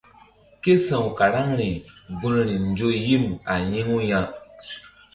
Ké sa̧w karaŋri gun ri nzo yim a yi̧ŋu ya.